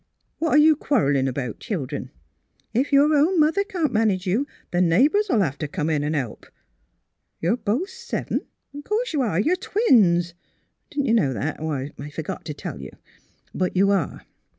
What are you quarrelling about, children? If your own mother can't manage you, the neigh bours '11 have to come in an' help. ... You're both seven! Course you are! You're twins; didn't you know that? I forgot to tell you. But you are.